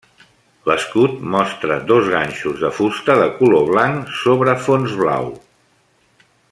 L'escut mostra dos ganxos de fusta de color blanc sobre fons blau.